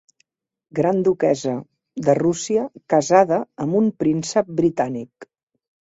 Gran duquessa de Rússia casada amb un príncep britànic.